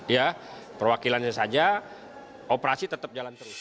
ya perwakilannya saja operasi tetap jalan terus